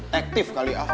detektif kali ah